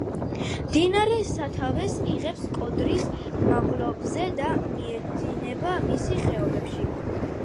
მდინარე სათავეს იღებს კოდრის მაღლობზე და მიედინება მის ხეობებში.